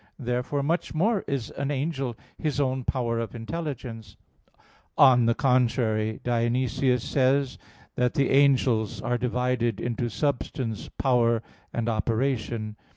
Therefore much more is an angel his own power of intelligence. On the contrary, Dionysius says (Coel. Hier. xi) that "the angels are divided into substance, power, and operation."